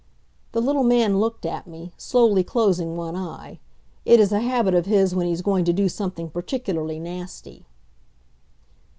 The little man looked at me, slowly closing one eye. It is a habit of his when he's going to do something particularly nasty.